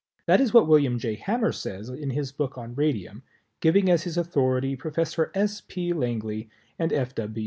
That is what William J. Hammer says in his book on Radium, giving as his authority Professor S. P. Langley and F.